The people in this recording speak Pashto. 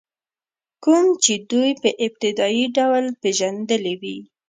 کوم چې دوی په ابتدایي ډول پېژندلي وي.